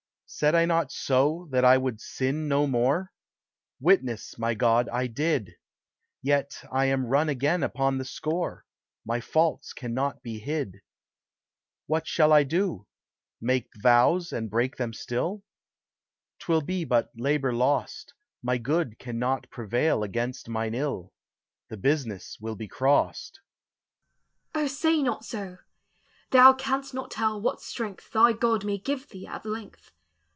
Said I not so, — that I would sin no more? Witness, my God, I did ; Yet I am run again upon the score : My faults cannot be hid. What shall I do? — make vows and break them still? 'Twill be but labor lost; My good cannot prevail against mine ill : The business will be crost. O, say not so; thou canst not tell what strength Thy God may give thee at the length.